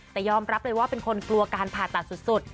แต่ยอมรับเลยว่าเป็นคนกลัวการผ่าตัดสุด